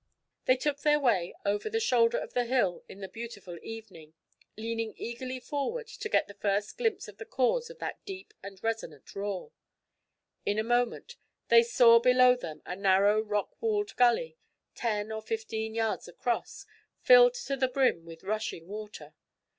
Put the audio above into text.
They took their way over the shoulder of the hill in the beautiful evening, leaning eagerly forward to get the first glimpse of the cause of that deep and resonant roar. In a moment they saw below them a narrow rock walled gully, ten or fifteen yards across, filled to the brim with rushing water.